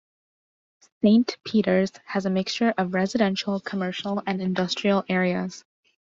Saint Peters has a mixture of residential, commercial and industrial areas.